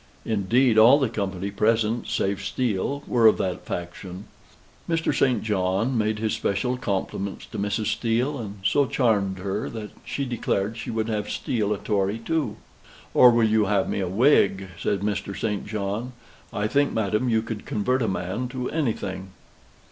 Indeed, all the company present, save Steele, were of that faction. Mr. St. John made his special compliments to Mrs. Steele, and so charmed her that she declared she would have Steele a Tory too. "Or will you have me a Whig?" says Mr. St. John. "I think, madam, you could convert a man to anything."